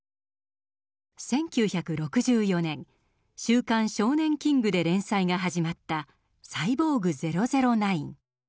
１９６４年「週刊少年キング」で連載が始まった「サイボーグ００９」。